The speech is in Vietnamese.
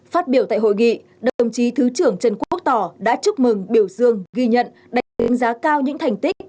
phát biểu tại hội nghị đồng chí thứ trưởng trần quốc tỏ đã chúc mừng biểu dương ghi nhận đánh giá cao những thành tích